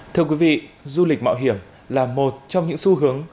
thưa quý vị du lịch mạo hiểm là một trong những xu hướng